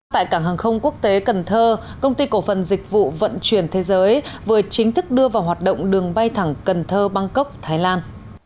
tại cảng hàng không quốc tế cần thơ công ty cổ phần dịch vụ vận chuyển thế giới vừa chính thức đưa vào hoạt động đường bay thẳng cần thơ bangkok thái lan